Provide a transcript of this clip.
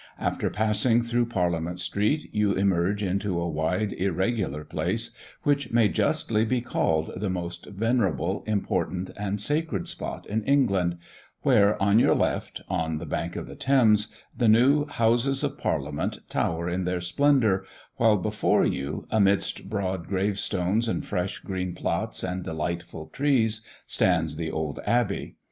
After passing through Parliament street you emerge into a wide irregular place, which may justly be called the most venerable, important, and sacred spot in England where, on your left, on the bank of the Thames, the new Houses of Parliament tower in their splendour, while before you, amidst broad grave stones and fresh green plots and delightful trees stands the old Abbey.